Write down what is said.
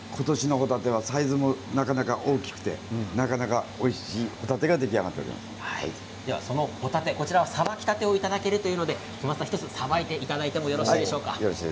サイズもなかなか大きくてなかなかおいしいホタテがさばきたてをいただけるということで１つさばいていただいてもよろしいですか？